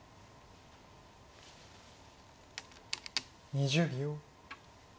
２０秒。